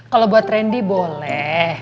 kalau buat randy boleh